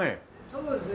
そうですね。